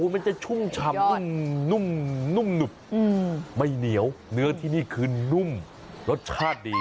มันจะชุ่มชำนุ่มไม่เหนียวเนื้อที่นี่คือนุ่มรสชาติดี